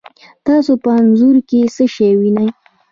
تاسو په انځور کې څه شی وینئ؟